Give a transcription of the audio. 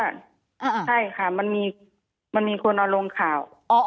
ใช่ค่ะมันมีคนเอาลงข่าว